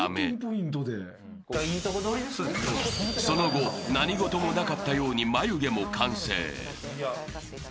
［その後何事もなかったように眉毛も完成］